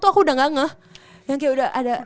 tuh aku udah gak ngeh yang kayak udah ada